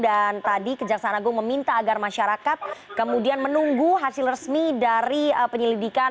dan tadi kejaksaan agung meminta agar masyarakat kemudian menunggu hasil resmi dari penyelidikan